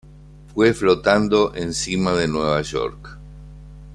Fue flotando por encima de Nueva York.